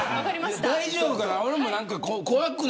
大丈夫かな。